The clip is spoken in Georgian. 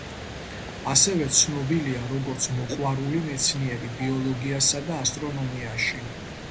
ასევე ცნობილია როგორც მოყვარული მეცნიერი, ბიოლოგიასა და ასტრონომიაში.